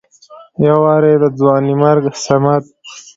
يو وارې د ځوانيمرګ صمد